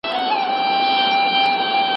هدايت الله فضلي خالد احمد حيدري